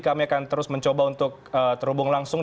kami akan terus mencoba untuk terhubung langsung